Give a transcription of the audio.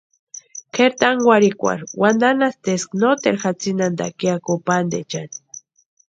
Kʼeri tánkwarhikwarhu wantanhasti eska noteru jatsinhantaka ya kupantaechani.